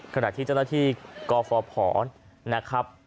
ขณะที่เจ้าหน้าที่กฟพนะครับ